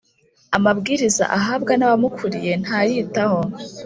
Amabwiriza ahabwa n’abamukuriye ntayitaho